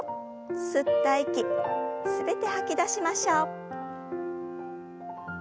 吸った息全て吐き出しましょう。